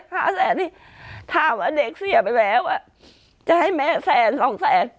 ห้าแสนนี่ถามว่าเด็กเสียไปแล้วอ่ะจะให้แม่แสนสองแสน